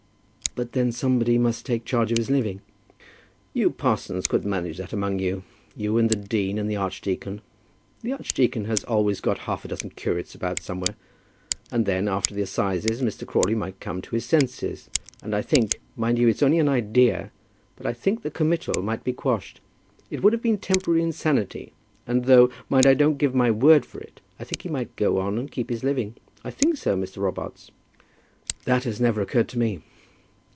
"But then somebody must take charge of his living." "You parsons could manage that among you; you and the dean and the archdeacon. The archdeacon has always got half a dozen curates about somewhere. And then, after the assizes, Mr. Crawley might come to his senses; and I think, mind it's only an idea, but I think the committal might be quashed. It would have been temporary insanity, and, though mind I don't give my word for it, I think he might go on and keep his living. I think so, Mr. Robarts." "That has never occurred to me."